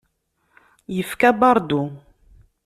Yefka baṛdu.